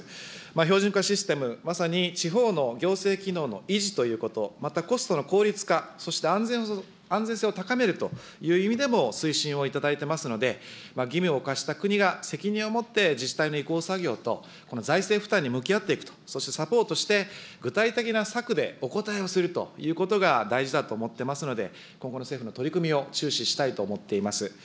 標準化システム、まさに地方の行政機能の維持ということ、またコストの効率化、そして安全性を高めるという意味でも、推進をいただいてますので、義務を課した国が責任を持って自治体の移行作業と、この財政負担に向き合っていくと、そしてサポートして、具体的な策でお応えをするということが大事だと思ってますので、今後の政府の取り組みを注視したいと思っています。